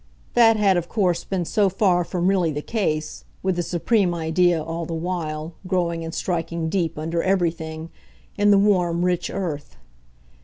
That had of course been so far from really the case with the supreme idea, all the while, growing and striking deep, under everything, in the warm, rich earth.